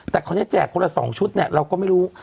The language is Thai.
แต่คราวนี้แจกคนละ๒ชุดเนี่ยเราก็ไม่รู้